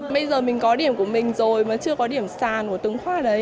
bây giờ mình có điểm của mình rồi mà chưa có điểm sàn của từng khoa đấy